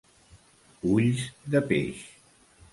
Ulls de peix.